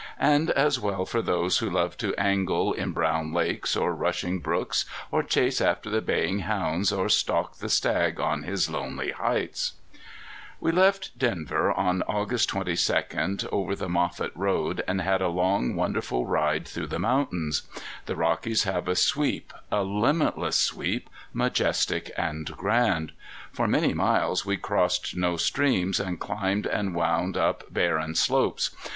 And as well for those who love to angle in brown lakes or rushing brooks or chase after the baying hounds or stalk the stag on his lonely heights. [Illustration: PACK HORSES ON A SAGE SLOPE IN COLORADO] We left Denver on August twenty second over the Moffet road and had a long wonderful ride through the mountains. The Rockies have a sweep, a limitless sweep, majestic and grand. For many miles we crossed no streams, and climbed and wound up barren slopes.